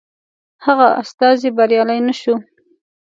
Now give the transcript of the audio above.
هغه استازی بریالی نه شو.